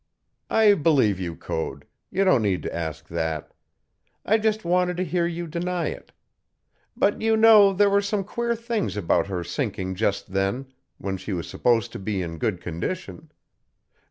"I believe you, Code; you don't need to ask that. I just wanted to hear you deny it. But you know there were some queer things about her sinking just then, when she was supposed to be in good condition.